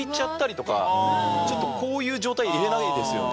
ちょっとこういう状態でいれないですよね。